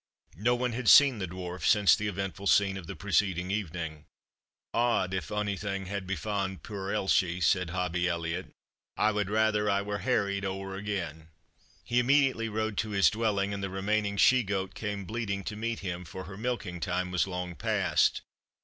No one had seen the Dwarf since the eventful scene of the preceding evening. "Odd, if onything has befa'en puir Elshie," said Hobbie Elliot, "I wad rather I were harried ower again." He immediately rode to his dwelling, and the remaining she goat came bleating to meet him, for her milking time was long past.